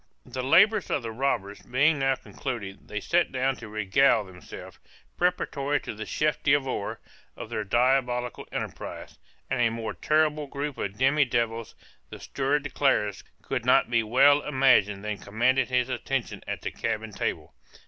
The labors of the robbers being now concluded, they sat down to regale themselves, preparatory to the chef d'oeuvre of their diabolical enterprise; and a more terrible group of demi devils, the steward declares, could not be well imagined than commanded his attention at the cabin table.